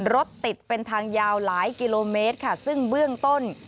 รถติดเป็นทางยาวหลายกิโลเมตรค่ะซึ่งเบื้องต้น